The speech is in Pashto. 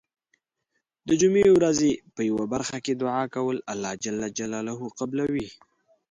د جمعې ورځې په یو برخه کې دعا کول الله ج قبلوی .